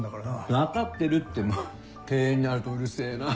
分かってるってもう経営になるとうるせぇな。